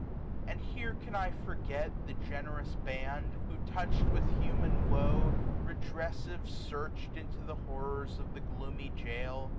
And here can I forget the generous band. Who, touched with human woe, redrcssive search'd Into the horrors of the gloomy jail?